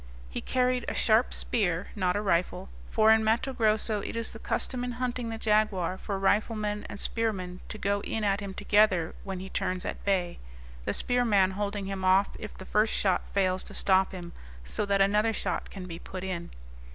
He carried a sharp spear, not a rifle, for in Matto Grosso it is the custom in hunting the jaguar for riflemen and spearmen to go in at him together when he turns at bay, the spearman holding him off if the first shot fails to stop him, so that another shot can be put in.